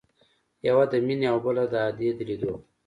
يوه د مينې او بله د ادې د ليدو.